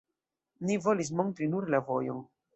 Ni volis montri nur la vojon.